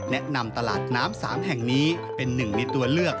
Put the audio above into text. แนะนำตลาดน้ำ๓แห่งนี้เป็นหนึ่งในตัวเลือก